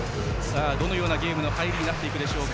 どのようなゲームの入りになってくるでしょうか。